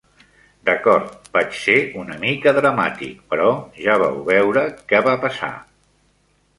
D'acord, vaig ser una mica dramàtic, però ja vau veure què va passar!